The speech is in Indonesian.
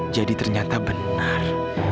jadi ternyata benar